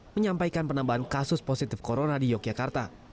menyampaikan penambahan kasus positif corona di yogyakarta